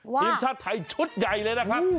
ทีมชาติไทยชุดใหญ่เลยนะครับ